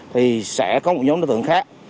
thì sẽ có một nhóm đối tượng khác